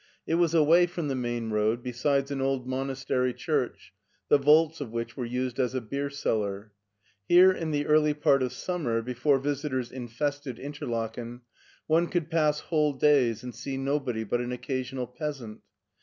It was away from the main road, beside an old monastery church, the vaults of which were used as a beer cellar. Here in the early part of simimer, before visitors in fested Interiaken, one could pass whole days and see nobody but an occasional peasant.